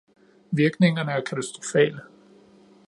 Virkningerne er katastrofale.